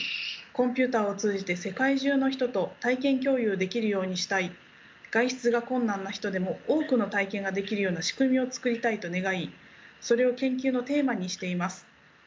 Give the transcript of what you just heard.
コンピューターを通じて世界中の人と体験共有できるようにしたい外出が困難な人でも多くの体験ができるような仕組みを作りたいと願いそれを研究のテーマにしています。